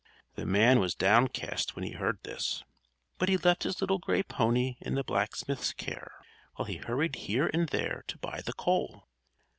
The man was downcast when he heard this; but he left his little gray pony in the blacksmith's care, while he hurried here and there to buy the coal.